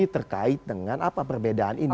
terkait dengan apa perbedaan ini